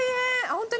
ホントに。